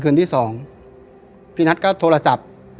หล่นลงมาสองแผ่นอ้าวหล่นลงมาสองแผ่นอ้าวหล่นลงมาสองแผ่น